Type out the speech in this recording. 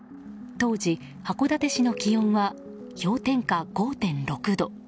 当時、函館市の気温は氷点下５．６度。